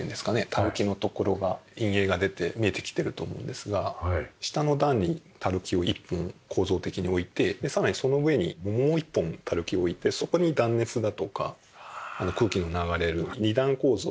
垂木の所が陰影が出て見えてきてると思うんですが下の段に垂木を一本構造的に置いてでさらにその上にもう一本垂木を置いてそこに断熱だとか空気の流れる二段構造。